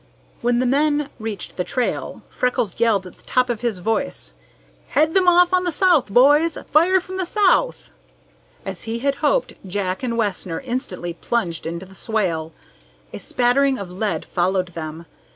When the men reached the trail, Freckles yelled at the top of his voice: "Head them off on the south, boys! Fire from the south!" As he had hoped, Jack and Wessner instantly plunged into the swale. A spattering of lead followed them.